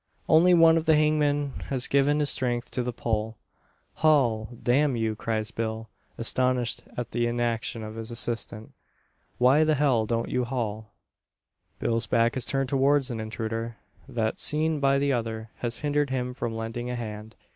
Only one of the hangmen has given his strength to the pull. "Haul, damn you!" cries Bill, astonished at the inaction of his assistant. "Why the hell don't you haul?" Bill's back is turned towards an intruder, that, seen by the other, has hindered him from lending a hand.